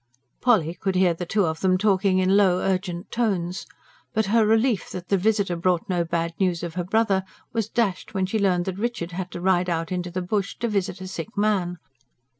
Polly could hear the two of them talking in low, urgent tones. But her relief that the visitor brought no bad news of her brother was dashed when she learned that Richard had to ride out into the bush, to visit a sick man.